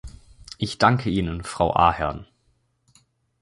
Ich danke Ihnen, Frau Ahern.